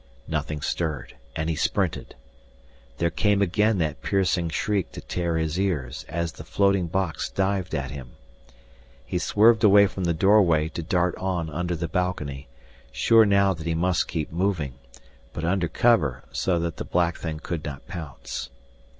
Nothing stirred, and he sprinted. There came again that piercing shriek to tear his ears as the floating box dived at him. He swerved away from the doorway to dart on under the balcony, sure now that he must keep moving, but under cover so that the black thing could not pounce.